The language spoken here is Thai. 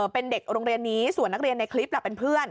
เป็นเด็กโรงเรียนนี้ส่วนนักเรียนในคลิปเป็นเพื่อน